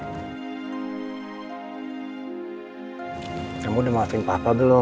menghapus semua keburukannya papa milik